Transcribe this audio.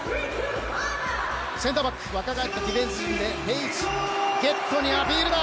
センターバック若返ったディフェンス陣で定位置ゲットにアピールだ